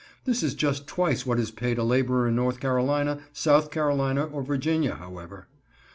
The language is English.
(This is just twice what is paid a laborer in North Carolina, South Carolina, or Virginia, however.)